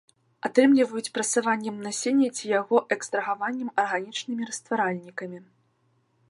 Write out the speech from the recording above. Атрымліваюць прасаваннем насення ці яго экстрагаваннем арганічнымі растваральнікамі.